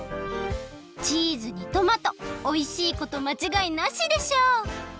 チーズにトマトおいしいことまちがいなしでしょ！